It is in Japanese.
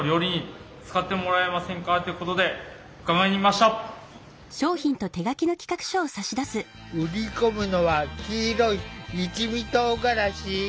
きょうは売り込むのは黄色い一味とうがらし。